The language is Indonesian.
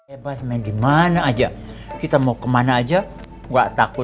eh aceh sama idoi kemana